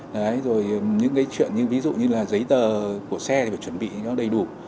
đấy rồi những cái chuyện như ví dụ như là giấy tờ của xe thì phải chuẩn bị nó đầy đủ